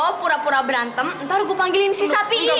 oh pura pura berantem ntar gue panggilin si sapi